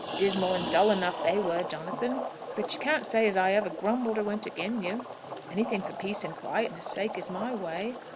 Dismal and dull enough they were, Jonathan. But you can't say as I ever grumbled, or went agin' you. Anything for peace and quietness' sake is my way.